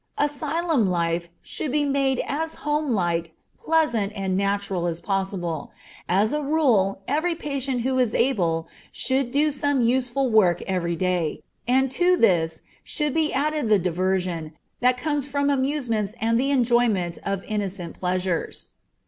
Asylum life should be made as home like, pleasant, and natural as possible; as a rule every patient who is able should do some useful work every day, and to this should be added the diversion, that comes from amusements and the enjoyment of innocent pleasures.